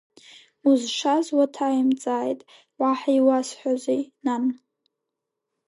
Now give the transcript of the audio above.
Узшаз уаҭаимҵааит, уаҳа иуасҳәозеи, нан…